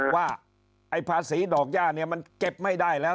ว่าไอ้ผาศรีดอกหญ้าเนี่ยมันเก็บไม่ได้แล้ว